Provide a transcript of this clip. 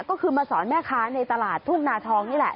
ก็คือมาสอนแม่ค้าในตลาดทุ่งนาทองนี่แหละ